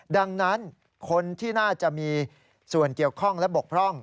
ดังนั้นคนที่น่าจะมีส่วนเกี่ยวข้องและบกพร่อง